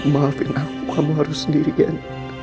maafin aku kamu harus sendirian